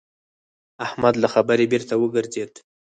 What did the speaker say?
احمد له خبرې بېرته وګرځېد.